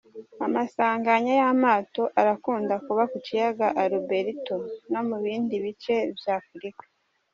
Amasanganya y'amato arakunda kuba ku kiyaga Albert no mu bindi bice vya Afrika.